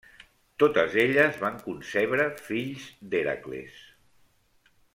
Totes elles van concebre fills d'Hèracles.